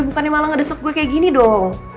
bukannya malah ngedesuk gue kayak gini dong